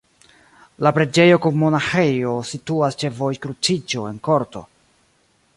La preĝejo kun monaĥejo situas ĉe vojkruciĝo en korto.